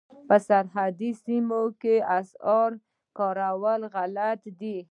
په سرحدي سیمو کې اسعار کارول غلط دي.